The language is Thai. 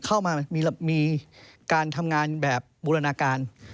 เข้ามามีการทำงานแบบบูรณาการ